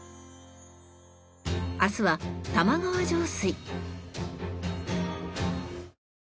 明日は玉川上水。